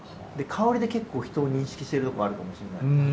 香りで結構人を認識してるところはあるかもしれない。